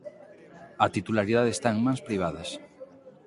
A titularidade está en mans privadas.